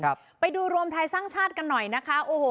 ไปดูรวมไทยสร้างชาติกันหน่อยนะคะโอ้โห